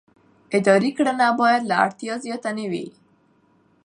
اداري کړنه باید له اړتیا زیاته نه وي.